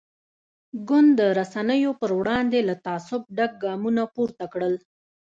ګوند د رسنیو پر وړاندې له تعصب ډک ګامونه پورته کړل.